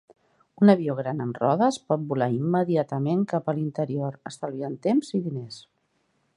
Un avió gran amb rodes pot volar immediatament cap a l'interior, estalviant temps i diners.